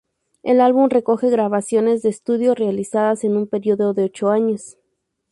El álbum recoge grabaciones de estudio realizadas en un periodo de ocho años.